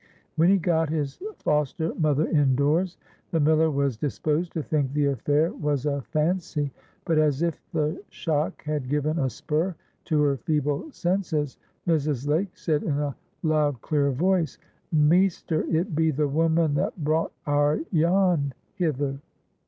When he got his foster mother indoors, the miller was disposed to think the affair was a fancy; but, as if the shock had given a spur to her feeble senses, Mrs. Lake said in a loud clear voice, "Maester, it be the woman that brought our Jan hither!"